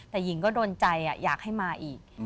แต่หญิงก็โดนใจอยากให้มาอีก